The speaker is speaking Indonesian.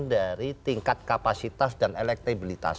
dari tingkat kapasitas dan elektabilitas